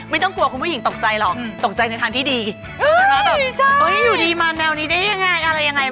ไม่ต้องกลัวคุณผู้หญิงตกใจหรอกตกใจในทางที่ดีว่าแบบอยู่ดีมาแนวนี้ได้ยังไงอะไรยังไง